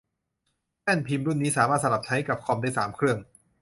แป้นพิมพ์รุ่นนี้ สามารถสลับใช้กับคอมได้สามเครื่อง